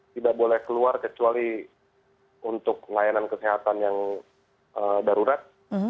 tidak boleh keluar kecuali untuk layanan kesehatan yang darurat